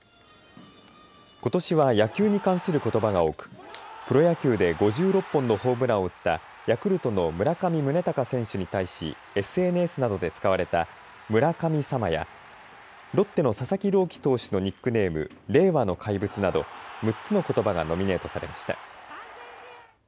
ことしは野球に関することばが多くプロ野球で５６本のホームランを打ったヤクルトの村上宗隆選手に対しＳＮＳなどで使われた村神様やロッテの佐々木朗希投手のニックネーム、令和の怪物など６つのことばがノミネートされました。